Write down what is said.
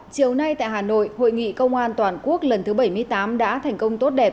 chiều nay tại hà nội hội nghị công an toàn quốc lần thứ bảy mươi tám đã thành công tốt đẹp